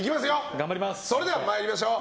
それでは参りましょう。